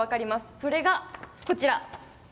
それが、こちら。